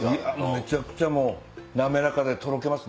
めちゃくちゃ滑らかとろけます。